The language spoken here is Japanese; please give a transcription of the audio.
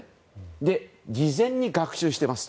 そして、事前に学習しています。